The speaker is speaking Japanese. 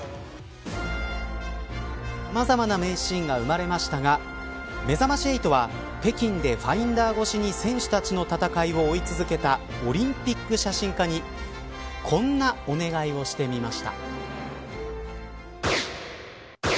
さまざまな名シーンが生まれましたがめざまし８は北京でファインダー越しに選手たちの戦いを追い続けたオリンピック写真家にこんなお願いをしてみました。